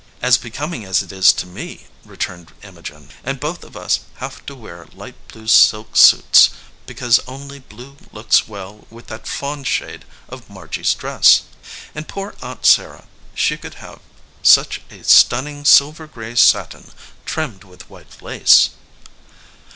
"As becoming as it is to me," returned Imogen, "and both of us have to wear light blue silk suits, because only blue looks well with that fawn shade of Margy s dress. And poor Aunt Sarah, she could have such a. stunning silver gray satin trimmed \vith white lace."